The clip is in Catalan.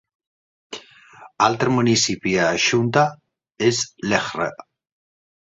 Altre municipi a Schunter és Lehre.